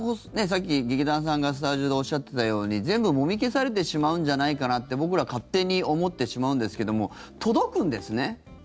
さっき劇団さんがスタジオでおっしゃっていたように全部もみ消されてしまうんじゃないかなって僕ら勝手に思ってしまうんですけども届くんですね。